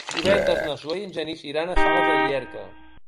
Divendres na Zoè i en Genís iran a Sales de Llierca.